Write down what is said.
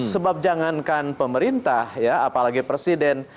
sebab jangankan pemerintah ya apalagi presiden